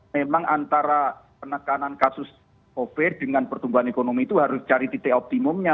memang antara penekanan kasus covid dengan pertumbuhan ekonomi itu harus cari titik optimumnya